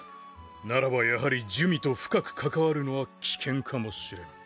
ならばやはり珠魅と深く関わるのは危険かもしれん。